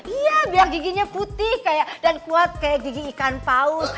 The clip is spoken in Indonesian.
iya bilang giginya putih dan kuat kayak gigi ikan paus